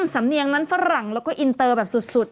สำเนียงนั้นฝรั่งแล้วก็อินเตอร์แบบสุด